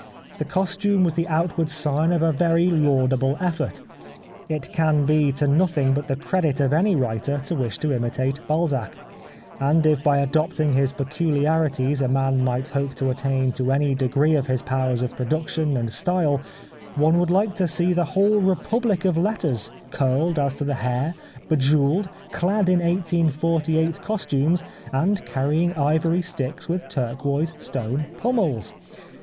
The costume was the outward sign of a very laudable effort. It can be to nothing but the credit of any writer to wish to imitate Balzac ; and if by adopting his peculiarities a man might hope to attain to any degree of his powers of production and style, one would like to see the whole Republic of Letters curled as to the hair, bejewelled, clad in 1848 costumes, and carrying ivory sticks with turquoise stone pummels.